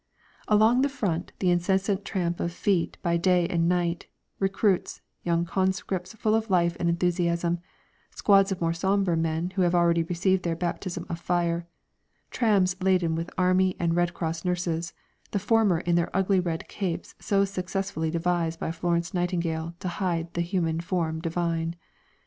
Along the front, the incessant tramp of feet by day and night, recruits, young conscripts full of life and enthusiasm, squads of more sombre men who have already received their baptism of fire, trams laden with Army and Red Cross nurses, the former in their ugly red capes so successfully devised by Florence Nightingale to hide the human form divine.